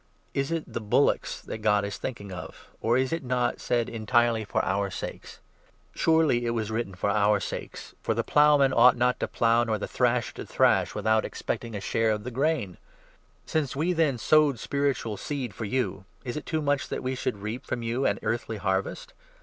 Is it the bullocks that God is thinking of? or is not it said 10 entirely for our sakes ? Surely it was written for our sakes, for the ploughman ought not to plough, nor the thrasher to thrash, without expecting a share of the grain. Since n we, then, sowed spiritual seed for you, is it too much that we should reap from you an earthly harvest?